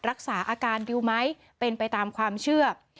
รักษาอาการดิวไหมเป็นไปตามความเชื่อ